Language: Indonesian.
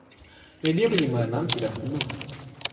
Media penyimpanan sudah penuh.